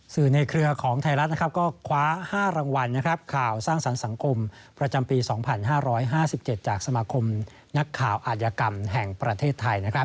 ในเครือของไทยรัฐก็คว้า๕รางวัลข่าวสร้างสรรค์สังคมประจำปี๒๕๕๗จากสมาคมนักข่าวอาจยกรรมแห่งประเทศไทย